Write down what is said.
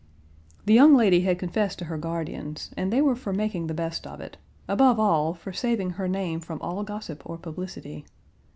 The young lady had confessed to her guardians and they were for making the best of it; above all, for saving her name from all gossip or publicity.